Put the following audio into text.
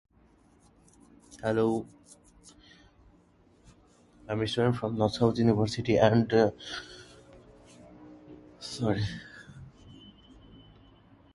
Breaux was a member of the New Democrat Coalition.